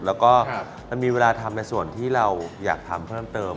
แล้วก็มันมีเวลาทำในส่วนที่เราอยากทำเพิ่มเติม